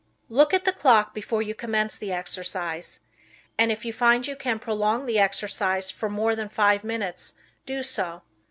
Look at the clock before you commence the exercise, and if you find you can prolong the exercise for more than five minutes do so.